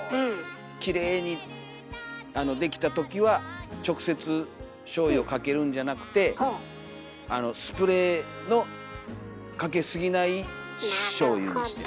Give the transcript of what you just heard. きれいにできた時は直接しょうゆをかけるんじゃなくてあのスプレーのかけすぎないしょうゆにして。